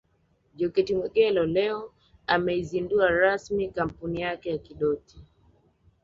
Jokate Mwegelo leo ameizundua rasmi kampuni yake ya Kidoti